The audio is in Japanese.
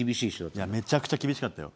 いやめちゃくちゃ厳しかったよ。